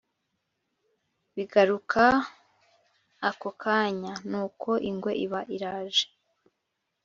bigaruka ako kanya. nuko ingwe iba iraje